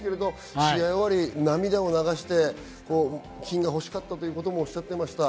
試合終わり、涙を流して金が欲しかったとおっしゃっていました。